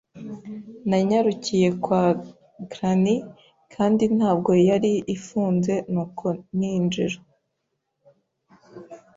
Nanyarukiye kwa Grannie kandi ntabwo yari ifunze, nuko ninjira.